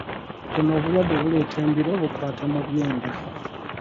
Buno obulwadde buleeta embiro bukwata mu byenda.